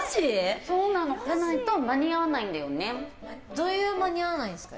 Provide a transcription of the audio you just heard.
どういう間に合わないんですか。